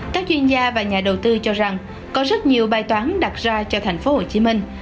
các chuyên gia và nhà đầu tư cho rằng có rất nhiều bài toán đặt ra cho thành phố hồ chí minh